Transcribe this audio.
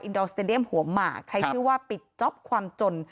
ดอลสเตดียมหัวหมากใช้ชื่อว่าปิดจ๊อปความจน